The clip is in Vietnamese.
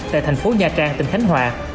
tại thành phố nha trang tỉnh khánh hòa